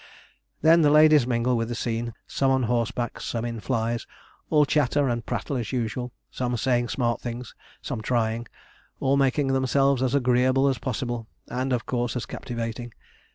Then the ladies mingle with the scene, some on horseback, some in flys, all chatter and prattle as usual, some saying smart things, some trying, all making themselves as agreeable as possible, and of course as captivating.